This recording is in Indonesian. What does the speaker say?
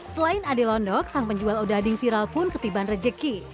selain ade londok sang penjual odading viral pun ketiban rejeki